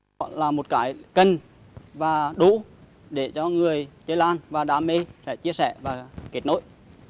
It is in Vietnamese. đó là một cái cần và đủ để cho người chơi lan và đam mê sẽ chia sẻ và kết nối